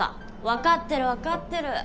わかってるわかってる。